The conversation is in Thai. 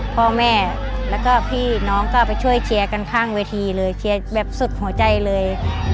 พ่อแม่แล้วก็พี่น้องก็ไปช่วยเชียร์กันข้างเวทีเลยเชียร์แบบสุดหัวใจเลย